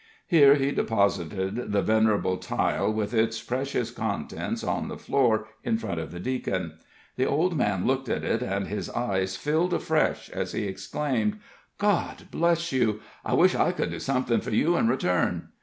Here he deposited the venerable tile with its precious contents on the floor in front of the deacon. The old man looked at it, and his eyes filled afresh, as he exclaimed: "God bless you! I wish I could do something for you in return."